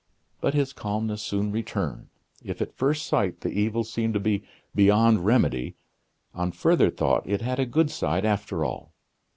But his calmness soon returned. If at first sight the evil seemed to be beyond remedy, on further thought it had a good side after all.